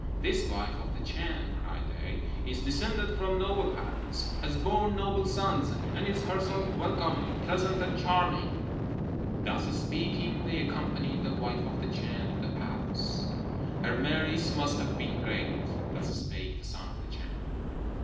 'This wife of the Chan,' cried they, 'is descended from noble parents, has borne noble sons, and is herself welcome, pleasant, and charming.' Thus speaking, they accompanied the wife of the Chan to the palace." "Her merits must have been great." Thus spake the Son of the Chan.